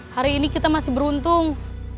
hari ini kita masih beruntung